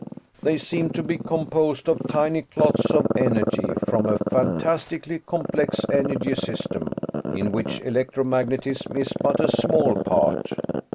They seem to be composed of tiny clots of energy from a fantastically complex energy system, in which electromagnetism is but a small part.